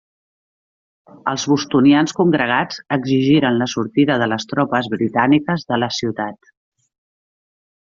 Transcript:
Els bostonians congregats exigiren la sortida de les tropes britàniques de la ciutat.